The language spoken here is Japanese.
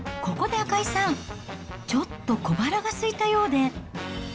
ここで赤井さん、ちょっと小腹がすいたようで。